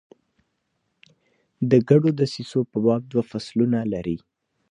د ګډو دسیسو په باب دوه فصلونه لري.